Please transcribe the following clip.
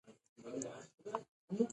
نجيبه ورياده شوه.